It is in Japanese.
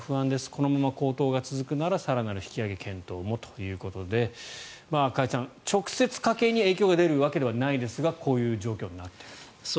このまま高騰が続くなら更なる引き上げ検討もということで加谷さん、直接家計に影響が出るわけではないですがこういう状況になっていると。